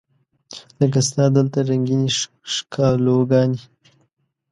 لکه ستا دلته رنګینې ښکالو ګانې